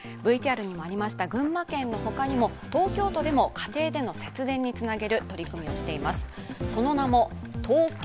ＶＴＲにもありました群馬県のほかにも東京都でも家庭での節電につなげる取り組みをしています。